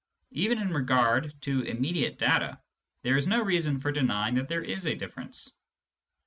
Even in regard to immediate data, this is no reason for denying that there is a diflTerence.